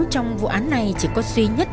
trong vụ án này chỉ có suy nhất